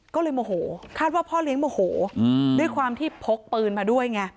ก็เลยโมโหคาดว่าพ่อเลี้ยงโมโหด้วยความที่พกปืนมาด้วยไง